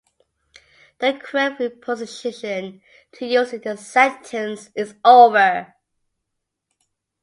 The correct preposition to use in this sentence is "over".